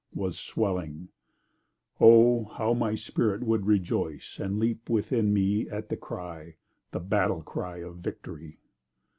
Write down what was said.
—was swelling (O! how my spirit would rejoice, And leap within me at the cry) The battle cry of Victory!